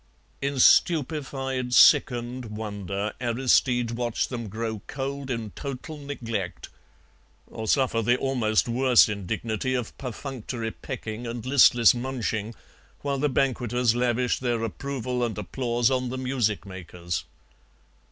In stupefied, sickened wonder Aristide watched them grow cold in total neglect, or suffer the almost worse indignity of perfunctory pecking and listless munching while the banqueters lavished their approval and applause on the music makers.